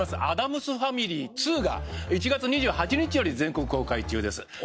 『アダムス・ファミリー２』が１月２８日より全国公開中です。